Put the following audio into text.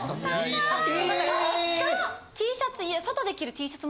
・Ｔシャツ。